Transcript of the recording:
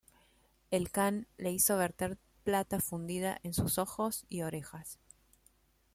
El kan le hizo verter plata fundida en sus ojos y orejas.